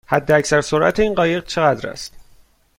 حداکثر سرعت این قایق چقدر است؟